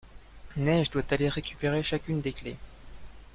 Neige doit aller récupérer chacune des clés.